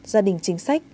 gia đình chính sách